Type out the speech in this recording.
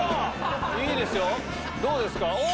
いいですよどうですか？